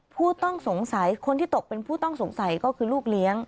ผู้ต้องสงสัยคนที่ตกเป็นผู้ต้องสงสัยก็คือลูกเลี้ยง